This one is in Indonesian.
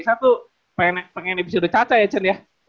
saya tuh pengen episode caca ya cen ya